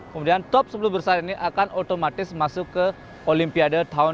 kemudian top sepuluh besar ini akan otomatis masuk ke olimpiade tahun dua ribu dua puluh